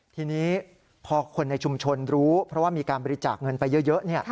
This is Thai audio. ทีนี้พอคนในชุมชนรู้เพราะว่ามีการบริจาคเงินไปเยอะ